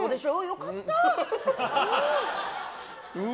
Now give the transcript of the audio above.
良かった。